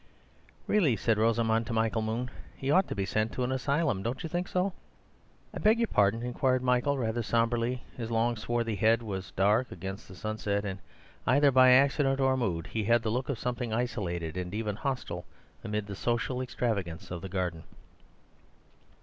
"Really," said Rosamund to Michael Moon, "he ought to be sent to an asylum. Don't you think so?" "I beg your pardon," inquired Michael, rather sombrely; his long, swarthy head was dark against the sunset, and, either by accident or mood, he had the look of something isolated and even hostile amid the social extravagance of the garden.